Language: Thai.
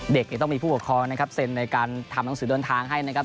เด็กเนี่ยต้องมีผู้ปกครองนะครับเซ็นในการทำหนังสือเดินทางให้นะครับ